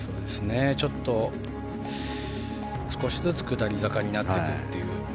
ちょっと少しずつ下り坂になっていくという。